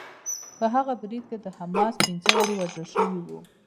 په هغه برید کې د حماس پنځه غړي وژل شوي وو